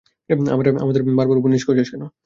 আমাদের বারবার উপর-নিচ করছিস কেন?